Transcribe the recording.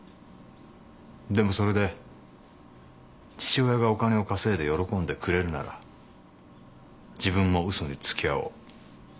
でもそれで父親がお金を稼いで喜んでくれるなら自分も嘘につきあおう。